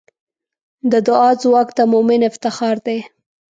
د دعا ځواک د مؤمن افتخار دی.